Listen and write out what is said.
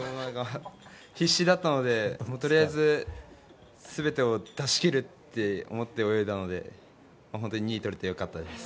必死だったので、とりあえず全てを出し切ると思って泳いだので本当に２位がとれて良かったです。